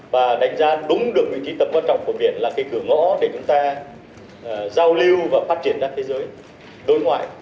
và đánh giá đúng được vị trí tầm quan trọng của biển là cái cửa ngõ để chúng ta giao lưu và phát triển ra thế giới đối ngoại